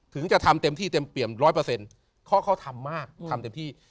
ถึงจะทำเต็มที่เต็มเปี่ยม๑๐๐เพราะเขาทำมากทำเต็มที่